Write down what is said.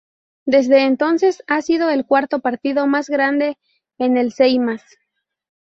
Desde entonces, ha sido el cuarto partido más grande en el Seimas.